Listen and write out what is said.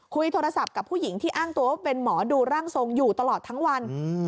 คุยโทรศัพท์กับผู้หญิงที่อ้างตัวว่าเป็นหมอดูร่างทรงอยู่ตลอดทั้งวัน